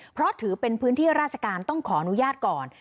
เพราะถือเป็นพื้นที่ราชการต้องขออนุญาตก่อน